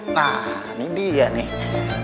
nah ini dia nih